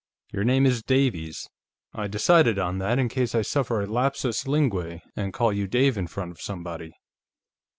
Your name is Davies; I decided on that in case I suffer a lapsus linguæ and call you Dave in front of somebody."